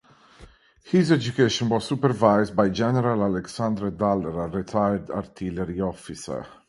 His education was supervised by General Alexander Daller, a retired artillery officer.